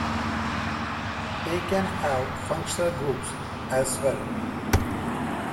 They can have functional groups, as well.